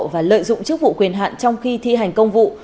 và lợi dụng chức vụ quyền hạn trong khi thi hành công vụ